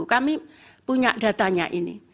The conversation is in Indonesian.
kami punya datanya ini